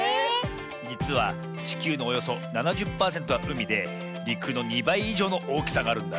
じつはちきゅうのおよそ７０パーセントはうみでりくの２ばいいじょうのおおきさがあるんだ。